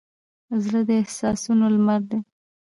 زړه د احساسونو لمر دی.